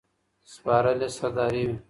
سپارلې سرداري وي